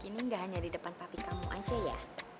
ini nggak hanya di depan papi kamu aja ya